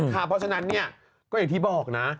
เพราะฉะนั้นอย่างที่บอกนะ